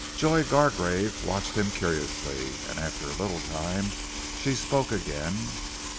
Joy Gargrave watched him curiously, and, after a little time, she spoke again.